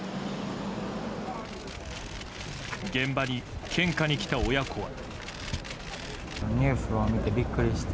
現場に献花に来た親子は。